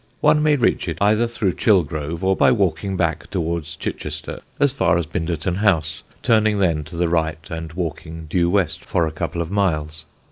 One may reach it either through Chilgrove, or by walking back towards Chichester as far as Binderton House, turning then to the right and walking due west for a couple of miles.